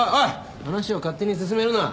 話を勝手に進めるな。